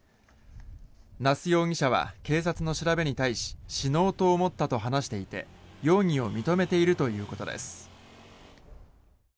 那須容疑者は警察の調べに対し死のうと思ったと話していて容疑を認めているということです。